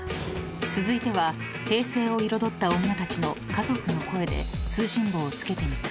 ［続いては平成を彩った女たちの家族の声で通信簿を付けてみた］